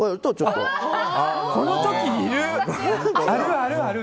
この時、ある！